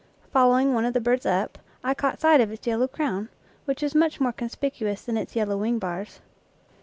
Following one of the birds up, I caught sight of its yellow crown, which is much more conspicuous than its yellow wing bars.